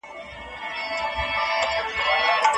خوږ